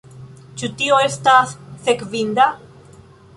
Ĉu tio estas sekvinda?